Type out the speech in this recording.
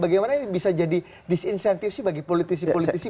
bagaimana bisa jadi disinsentif bagi politisi politisi